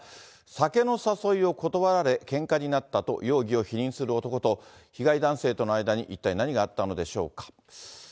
酒の誘いを断られ、けんかになったと容疑を否認する男と、被害男性との間に一体何があったのでしょうか。